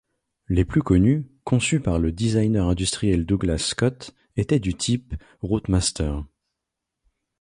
Les plus connus, conçus par le designer industriel Douglas Scott, étaient du type Routemaster.